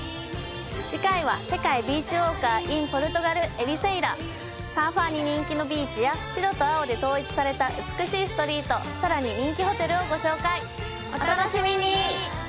次回は世界ビーチウォーカーｉｎポルトガルエリセイラサーファーに人気のビーチや白と青で統一された美しいストリートさらに人気ホテルをご紹介お楽しみに！